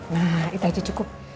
nah itu aja cukup